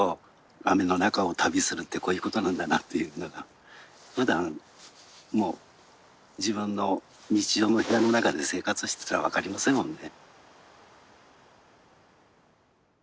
雨の中を旅するってこういうことなんだなというのがまだもう自分の日常の部屋の中で生活してたら分かりませんもんね。